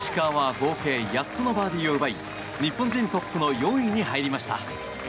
石川は合計８つのバーディーを奪い日本人トップの４位に入りました。